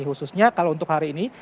khususnya kalau untuk hari ini